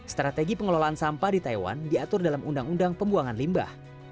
strategi pengelolaan sampah di taiwan diatur dalam undang undang pembuangan limbah